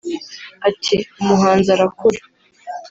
Ati “Umuhanzi arakura